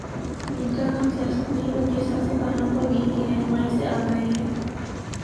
ان کا کام سیاست نہیں، بلکہ سیاست دانوں کو دین کی رہنمائی سے آگاہی ہے